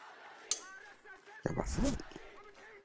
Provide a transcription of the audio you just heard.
やばすぎ